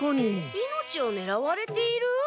命をねらわれている？